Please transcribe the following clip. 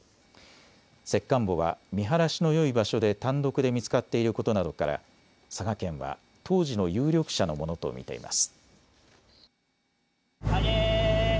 石棺墓は見晴らしのよい場所で単独で見つかっていることなどから佐賀県は当時の有力者のものと見ています。